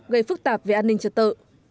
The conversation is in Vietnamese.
gây phức tạp về an ninh trật tự